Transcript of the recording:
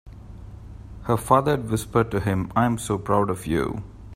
Her father whispered to him, "I am so proud of you!"